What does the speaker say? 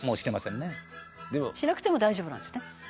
「しなくても大丈夫なんですね」